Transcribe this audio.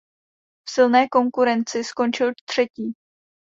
V silné konkurenci skončil třetí.